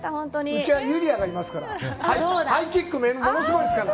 うちは友莉亜がいますから、ハイキック物すごいですから。